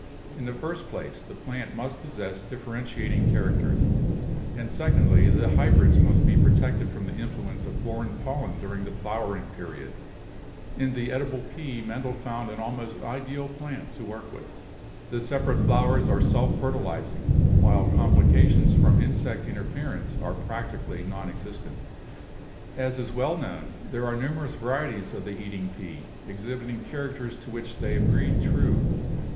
In the first place, the plant must possess differentiating characters, and secondly, the hybrids must be protected from the in fluence of foreign pollen during the flowering period. In the edible pea Mendel found an almost ideal plant to work with. The separate flowers are self fertilizing, while complications from insect interference are practi cally non existent. As is well known, there are numer ous varieties of the eating pea exhibiting characters to which they breed true.